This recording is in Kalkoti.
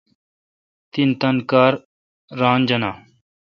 تین تان کار ران جانہ۔